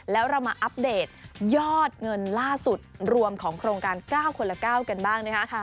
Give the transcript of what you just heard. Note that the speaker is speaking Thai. แล้วเรามาอัปเดตยอดเงินล่าสุดรวมของโครงการ๙คนละ๙กันบ้างนะคะ